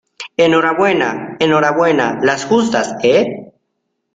enhorabuena. enhorabuena las justas, ¿ eh?